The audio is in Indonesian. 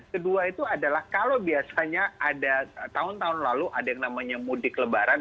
kedua itu adalah kalau biasanya ada tahun tahun lalu ada yang namanya mudik lebaran